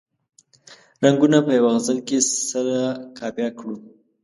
رنګونه په یوه غزل کې سره قافیه کړو.